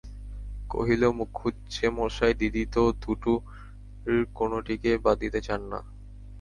কহিল, মুখুজ্যেমশায়, দিদি তো দুটির কোনোটিকেই বাদ দিতে চান না!